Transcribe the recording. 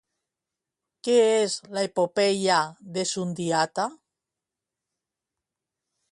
Què és l'Epopeia de Sundiata?